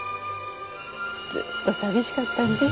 ずっと寂しかったんべぇ。